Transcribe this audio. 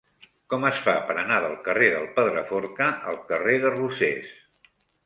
Com es fa per anar del carrer del Pedraforca al carrer de Rosés?